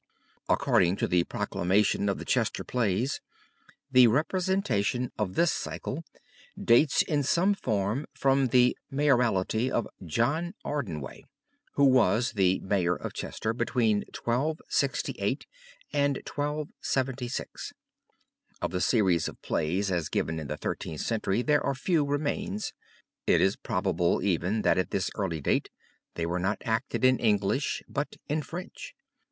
According to the proclamation of the Chester plays, the representation of this cycle dates in some form from the mayoralty of John Arneway, who was the Mayor of Chester, between 1268 and 1276. Of the series of plays as given in the Thirteenth Century there are few remains. It is probable, even, that at this early date they were not acted in English but in French.